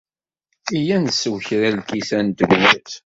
Iyya ad nsew kra n lkisan n tebyirt.